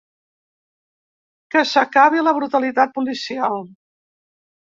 Que s’acabi la brutalitat policial.